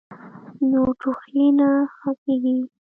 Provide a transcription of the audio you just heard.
نو ټوخی نۀ ښۀ کيږي -